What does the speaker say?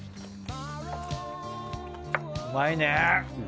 うまいね！